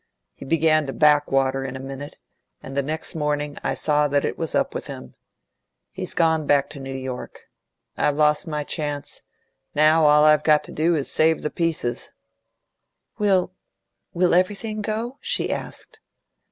He began to back water in a minute, and the next morning I saw that it was up with him. He's gone back to New York. I've lost my last chance. Now all I've got to do is to save the pieces." "Will will everything go?" she asked.